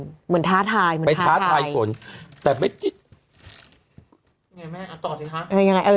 อืมเหมือนท้าทายมันแท้ผ่านฝนแต่แง่แง่แง่เอาไว้ดีกว่า